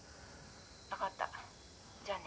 分かったじゃあね。